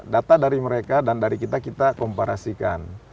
data dari mereka dan dari kita kita komparasikan